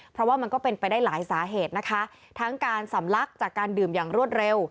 เพราะว่ามันก็เป็นไปได้หลายสาเหตุนะคะทั้งการสำลักจากการดื่มอย่างรวดเร็ว